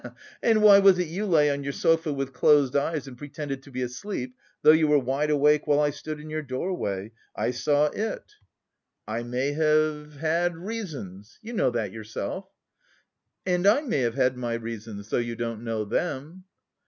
"He he! And why was it you lay on your sofa with closed eyes and pretended to be asleep, though you were wide awake while I stood in your doorway? I saw it." "I may have had... reasons. You know that yourself." "And I may have had my reasons, though you don't know them."